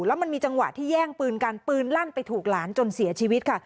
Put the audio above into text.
แล้วมันมีจังหวะที่แย่งปืนกันปืนลั่นไปถูกหลานจนเสียชีวิตค่ะ